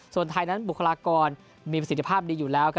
ส่วนไทยนั้นบุคลากรมีประสิทธิภาพดีอยู่แล้ว